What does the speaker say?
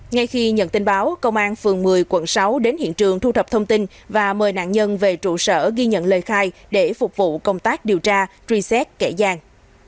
ngay khi nhận tin báo công an phường một mươi quận sáu đến hiện trường thu thập thông tin và mời nạn nhân về trụ sở ghi nhận lời khai để phục vụ công tác điều tra truy xét kẻ giang